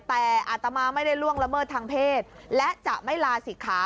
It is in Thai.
แต่อาตมาไม่ได้ล่วงละเมิดทางเพศและจะไม่ลาศิกขา